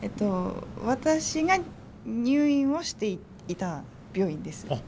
私が入院をしていた病院です。